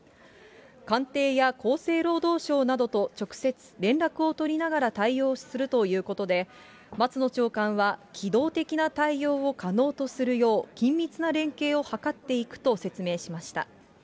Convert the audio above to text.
官邸や厚生労働省などと直接連絡を取りながら対応するということで、松野長官は、機動的な対応を可能とするよう、緊密な連携を図っていくと説明しました。